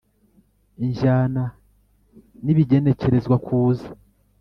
ijyana n ibigenekerezwa kuza